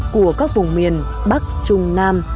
của các vùng miền bắc trung nam